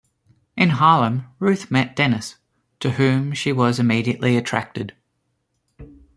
In Harlem, Ruth met Dennis, to whom she was immediately attracted.